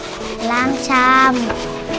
พี่น้องของหนูก็ช่วยย่าทำงานค่ะ